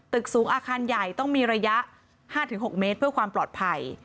ตึกสูงอาคารใหญ่ต้องมีระยะ๕๖เมตรเพื่อความปลอดภัย